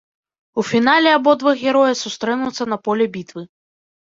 У фінале абодва героя сустрэнуцца на поле бітвы.